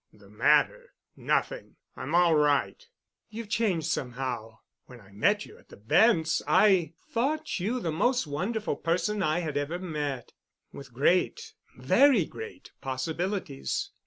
"The matter? Nothing. I'm all right." "You've changed somehow. When I met you at the Bents' I thought you the most wonderful person I had ever met—with great—very great possibilities.